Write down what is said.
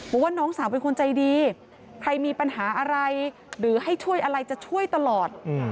ว่าน้องสาวเป็นคนใจดีใครมีปัญหาอะไรหรือให้ช่วยอะไรจะช่วยตลอด